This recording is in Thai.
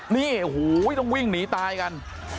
นี่โอ้โหต้องวิ่งหนีตายกัน